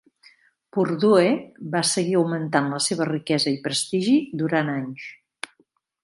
Purdue va seguir augmentant la seva riquesa i prestigi durant anys.